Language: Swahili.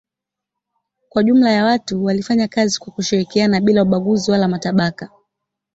Kwa jumla watu walifanya kazi kwa kushirikiana bila ubaguzi wala matabaka.